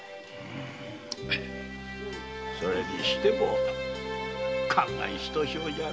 それにしても感慨ひとしおじゃな。